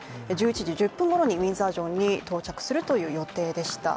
１１時１０分ごろにウィンザー城に到着するという予定でした。